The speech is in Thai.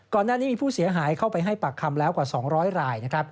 ก่อนหน้านี้มีผู้เสียหายเข้าไปให้ปากคำแล้วกว่า๒๐๐ราย